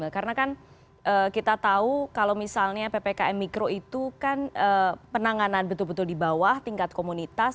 karena kan kita tahu kalau misalnya ppkm mikro itu kan penanganan betul betul di bawah tingkat komunitas